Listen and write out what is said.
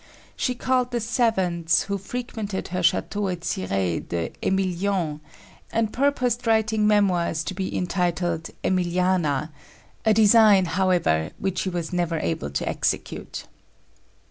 She called the savants who frequented her château at Cirey the Émiliens and purposed writing memoirs to be entitled Emiliana a design, however, which she was never able to execute.